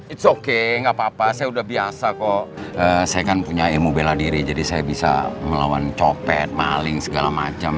⁇ its ⁇ okay gak apa apa saya udah biasa kok saya kan punya ilmu bela diri jadi saya bisa melawan copet maling segala macam